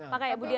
pak kaya budiana